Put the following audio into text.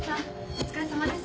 お疲れさまです。